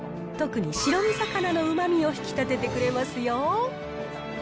特に白身魚のうまみを引き立ててくれますよ。